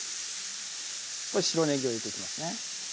白ねぎを入れていきますね